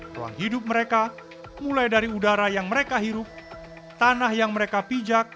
ruang hidup mereka mulai dari udara yang mereka hirup tanah yang mereka pijak